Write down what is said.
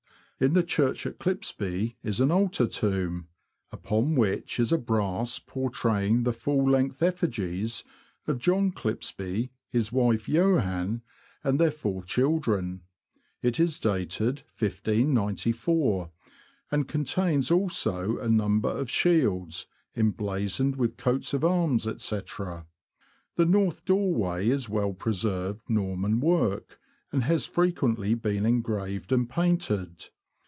In the church at Clippesby is an altar tomb, upon which is a brass portraying the full length effigies of John Clippesby, his wife Johan, and their four children. It is dated 1594, and contains also a number of shields, emblazoned with coats of arms, &c. The north doorway is well preserved Norman work, and has frequently been engraved and painted.